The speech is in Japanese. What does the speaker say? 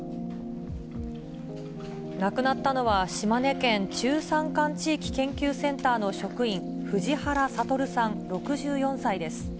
亡くなったのは、島根県中山間地域研究センターの職員、藤原悟さん６４歳です。